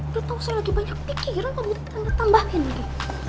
udah tau saya lagi banyak pikiran kamu tetep tambahin lagi